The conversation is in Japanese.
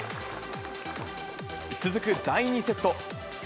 続く第２セット。